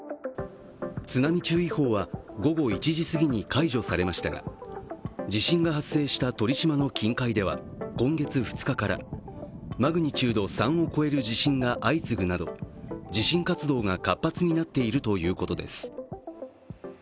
津波注意報は午後１時すぎに解除されましたが地震が発生した鳥島の近海では今月２日からマグニチュード３を超える地震が相次ぐなど地震活動が活発になっているということです。